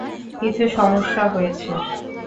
কিছু সমস্যা হয়েছে?